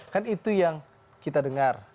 kan itu yang kita dengar